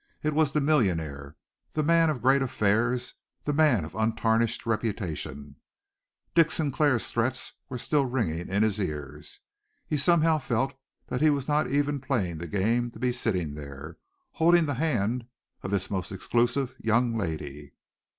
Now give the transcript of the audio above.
It was the millionaire, the man of great affairs, the man of untarnished reputation. Dick Sinclair's threats were still ringing in his ears. He somehow felt that he was not even playing the game to be sitting there, holding the hand of this most exclusive young lady.